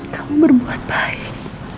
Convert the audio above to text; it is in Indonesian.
kamu berbuat baik